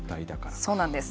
そうなんです。